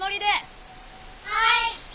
はい！